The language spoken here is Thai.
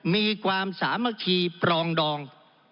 มีความสามัคคีปรองดอง